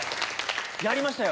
やりましたよ。